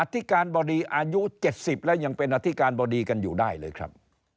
ธิการบดีอายุ๗๐แล้วยังเป็นอธิการบดีกันอยู่ได้เลยครับ